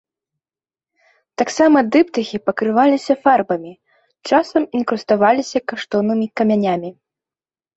Таксама дыптыхі пакрываліся фарбамі, часам інкруставаліся каштоўнымі камянямі.